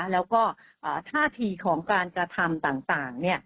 แล้วก็ท่าทีของการกระทำต่าง